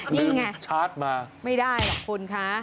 นี่ไงไม่ได้หรอกคุณคะลืมชาร์จมา